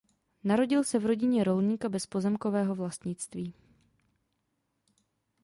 Narodil se v rodině rolníka bez pozemkového vlastnictví.